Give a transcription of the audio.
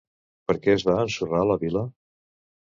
Per què es va ensorrar la vila?